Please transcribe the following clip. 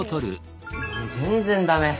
全然駄目。